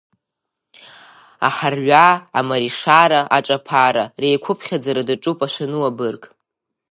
Аҳарҩа, Омаришара, Аҿаԥара, реиқәԥхьаӡара даҿуп ашәануа бырг.